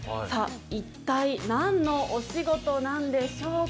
一体何のお仕事なんでしょうか。